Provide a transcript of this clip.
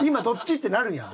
ってなるやん。